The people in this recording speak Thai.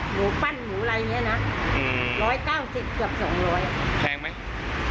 หมูปั้นหมูอะไรอย่างเงี้ยนะอืมร้อยเก้าสิบเกือบสองร้อยแพงไหม